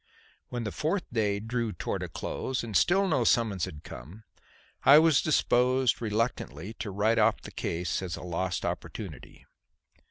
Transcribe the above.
When the fourth day drew towards a close and still no summons had come, I was disposed reluctantly to write the case off as a lost opportunity.